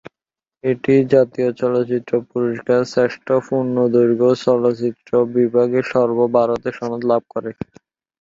এটি জাতীয় চলচ্চিত্র পুরস্কারে শ্রেষ্ঠ পূর্ণদৈর্ঘ্য চলচ্চিত্র বিভাগে সর্ব ভারত সনদ লাভ করে।